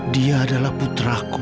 dia adalah putraku